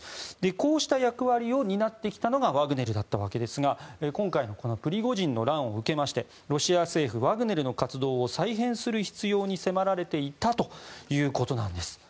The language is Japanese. こうした役割を担ってきたのがワグネルだったわけですが今回のプリゴジンの乱を受けましてロシア政府、ワグネルの活動を再編する必要に迫られていたということなんです。